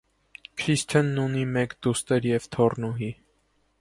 Քրիսթենն ունի մեկ դուստր և թոռնուհի։